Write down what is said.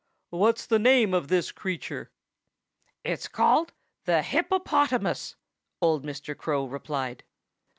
... What's the name of this creature?" "It's called the hippopotamus," old Mr. Crow replied.